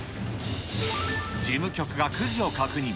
事務局がくじを確認。